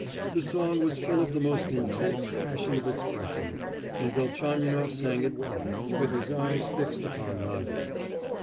The song was full of the most intense passion of expression, and Velchaninoff sang it well, with his eyes fixed upon Nadia.